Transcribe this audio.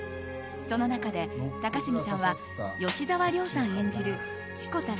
その中で高杉さんは吉沢亮さん演じる志子田